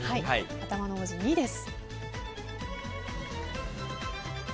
頭の文字「に」です。